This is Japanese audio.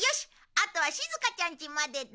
あとはしずかちゃんちまでだ。